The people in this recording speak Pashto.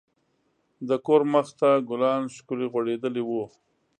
د کور مخ ته ګلان ښکلي غوړیدلي وو.